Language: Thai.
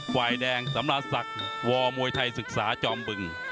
ไฟแดงสำราญสักวอร์มไวทัยศึกษาจอมเบิ่ง